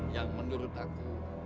yang menurut aku